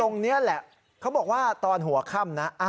ตรงนี้แหละเขาบอกว่าตอนหัวค่ำนะ